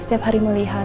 setiap hari melihat